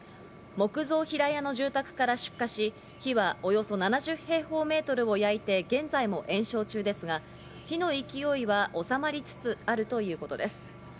木造平屋の住宅から出火し、火はおよそ７０平方メートルを焼いて、現在も延焼中ですが、火の勢いは収まりつつあるということです。